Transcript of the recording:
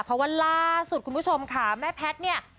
เพราะว่าล่าสุดคุณผู้ชมค่ะแม่แพทย์เนี่ย